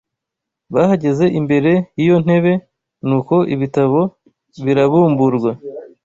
bahagaze imbere y’iyo ntebe, nuko ibitabo birabumburwa.